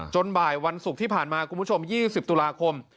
บ่ายวันศุกร์ที่ผ่านมาคุณผู้ชม๒๐ตุลาคม